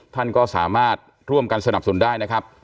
ท่านก็สามารถร่วมกันสนับสนุนได้นะครับ